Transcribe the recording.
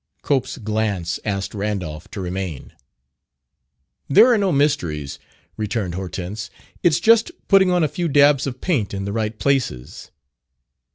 Cope's glance asked Randolph to remain. "There are no mysteries," returned Hortense. "It's just putting on a few dabs of paint in the right places."